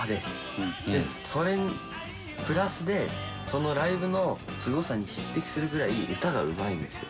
それにプラスでそのライブのすごさに匹敵するぐらい歌がうまいんですよ。